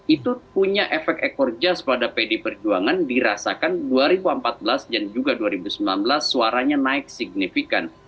itu punya efek ekor jas pada pd perjuangan dirasakan dua ribu empat belas dan juga dua ribu sembilan belas suaranya naik signifikan